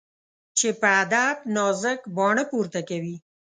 چي په ادب نازک باڼه پورته کوي